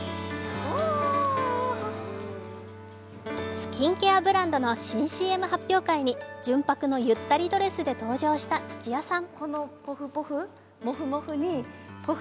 スキンケアブランドの新ＣＭ発表会に純白のゆったりドレスで登場した土屋さん。